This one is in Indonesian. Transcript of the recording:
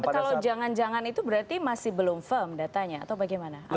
kalau jangan jangan itu berarti masih belum firm datanya atau bagaimana